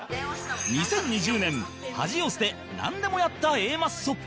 ２０２０年恥を捨てなんでもやった Ａ マッソ